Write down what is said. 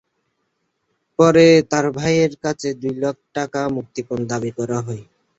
পরে তাঁর ভাইয়ের কাছে দুই লাখ টাকা মুক্তিপণ দাবি করা হয়।